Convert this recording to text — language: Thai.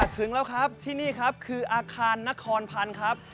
ถึงแล้วครับที่นี่ครับคืออาคารนครพันธุ์ครับ